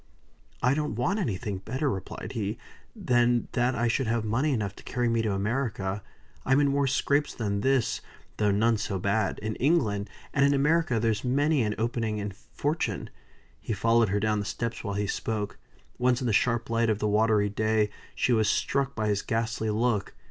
"I don't want anything better," replied he, "than that I should have money enough to carry me to America. I'm in more scrapes than this (though none so bad) in England; and in America there's many an opening to fortune." He followed her down the steps while he spoke. Once in the yellow light of the watery day, she was struck by his ghastly look.